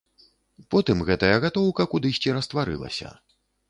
Потым гэтая гатоўка кудысьці растварылася.